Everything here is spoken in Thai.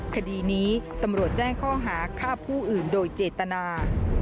คดีนี้ตำรวจแจ้งข้อหาฆ่าผู้อื่นโดยเจตนา